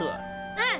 うん！